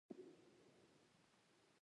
حتمي جومات ته به لاړ شو چې نور هم راټول شي.